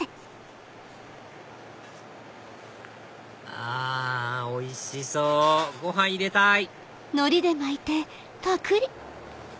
あおいしそうご飯入れたい！